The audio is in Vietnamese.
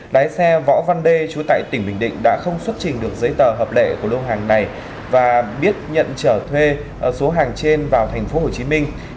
lái xe võ văn đê chú tại tỉnh bình định đã không xuất trình được giấy tờ hợp lệ của lô hàng này và biết nhận trở thuê số hàng trên vào thành phố hồ chí minh